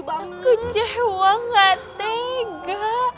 aku cewa gak tega